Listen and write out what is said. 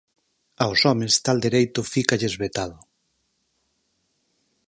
Aos homes tal dereito fícalles vetado.